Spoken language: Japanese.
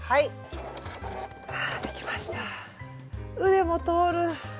腕も通る。